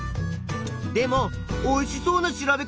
でもおいしそうな調べ方。